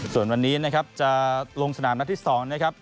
ส่วนวันนี้นะครับจะลงสนามนัดที่๒นะครับ